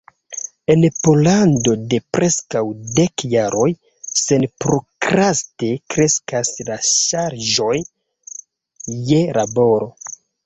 En Pollando de preskaŭ dek jaroj senprokraste kreskas la ŝarĝoj je laboro.